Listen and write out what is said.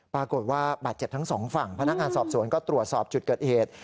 บาดเจ็บทั้งสองฝั่งพนักงานสอบสวนก็ตรวจสอบจุดเกิดเหตุ